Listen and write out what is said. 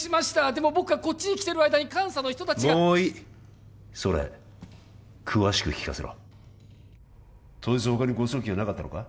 でも僕がこっちに来てる間に監査の人達がもういいそれ詳しく聞かせろ当日他に誤送金はなかったのか？